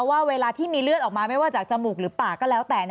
ว่าเวลาที่มีเลือดออกมาไม่ว่าจากจมูกหรือปากก็แล้วแต่